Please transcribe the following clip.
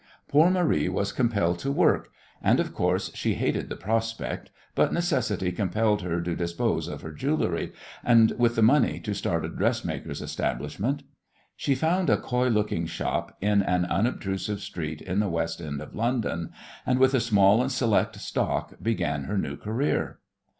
Poor Marie was compelled to work, and, of course, she hated the prospect, but necessity compelled her to dispose of her jewellery, and with the money to start a dressmaker's establishment. She found a coy looking shop in an unobtrusive street in the West End of London, and with a small and select stock began her new career.